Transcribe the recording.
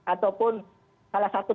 ataupun salah satu